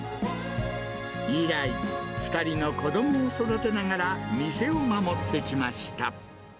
以来、２人の子どもを育てながら店を守ってきました。